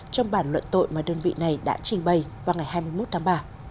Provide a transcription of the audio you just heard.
trong bản luận tội mà đơn vị này đã trình bày vào ngày hai mươi một tháng ba